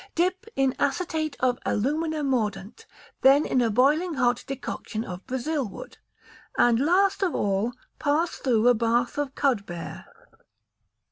Dip in acetate of alumina mordant, then in a boiling hot decoction of Brazil wood and, last of all, pass through a bath of cudbear.